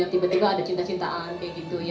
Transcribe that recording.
tiba tiba ada cinta cintaan kayak gitu